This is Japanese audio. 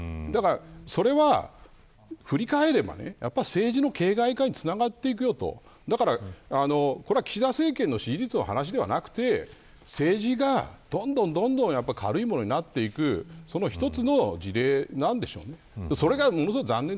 それは振り返ればやっぱり政治の形がい化につながっていきますよとこれは、岸田政権の支持率の話ではなくて政治がどんどん軽いものになっていくその一つの事例なんでしょう。